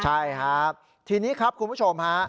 ใช่ครับทีนี้ครับคุณผู้ชมฮะ